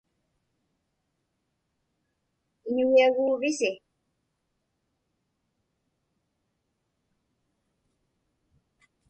Iñugiaguuvisi?